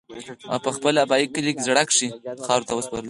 او خپل ابائي کلي زَړَه کښې خاورو ته اوسپارلے شو